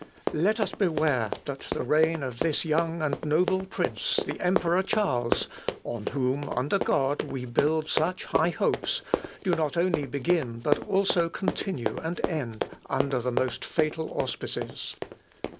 Let us beware that the reign of this young and noble prince, the Emperor Charles, on whom, under God, we build such high hopes, do not only begin, but also continue and end under the most fatal auspices.